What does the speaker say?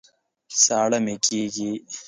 ساړه مي کېږي